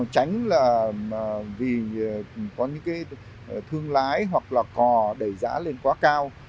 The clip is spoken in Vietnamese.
tránh vì có những thương lái hoặc là cò đầy giá lên quá cao